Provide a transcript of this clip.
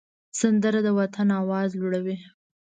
سندره د وطن آواز لوړوي